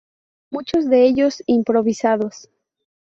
Muchos de ellos improvisados.